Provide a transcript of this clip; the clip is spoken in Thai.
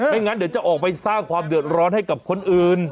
งั้นเดี๋ยวจะออกไปสร้างความเดือดร้อนให้กับคนอื่น